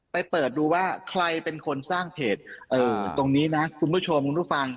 เปิดดูว่าใครเป็นคนสร้างเพจตรงนี้นะคุณผู้ชมคุณผู้ฟัง